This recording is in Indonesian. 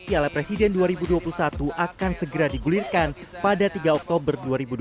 piala presiden dua ribu dua puluh satu akan segera digulirkan pada tiga oktober dua ribu dua puluh